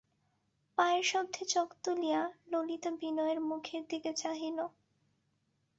পায়ের শব্দে চোখ তুলিয়া ললিতা বিনয়ের মুখের দিকে চাহিল।